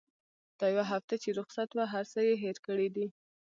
دا يوه هفته چې رخصت وه هرڅه يې هېر کړي دي.